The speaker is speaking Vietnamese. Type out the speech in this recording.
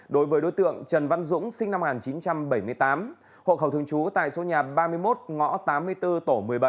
đối với đối tượng trần văn dũng sinh năm một nghìn chín trăm bảy mươi tám hộ khẩu thường trú tại số nhà ba mươi một ngõ tám mươi bốn tổ một mươi bảy